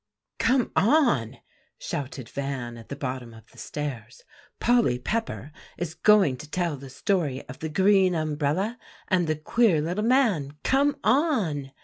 "Come on," shouted Van at the bottom of the stairs, "Polly Pepper is going to tell the story of 'The Green Umbrella and the Queer Little Man.' Come on!"